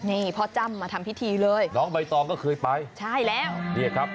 นี่พ่อจ้ำมาทำพิธีเลยน้องใบตองก็เคยไปใช่แล้วเนี่ยครับ